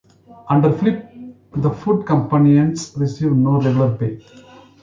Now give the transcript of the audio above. Under Philip, the Foot Companions received no regular pay.